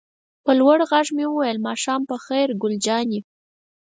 په لوړ غږ مې وویل: ماښام په خیر ګل جانې.